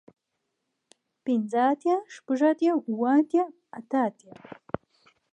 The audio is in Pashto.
پنځۀ اتيا شپږ اتيا اووه اتيا اتۀ اتيا